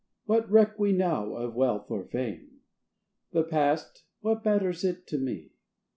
What reck we now of wealth or fame? The past what matters it to me?